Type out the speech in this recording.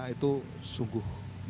itu sungguh menyakitkan